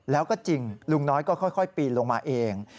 แล้วก็จริงลุงน้อยก็ค่อยปีนลงมาเอง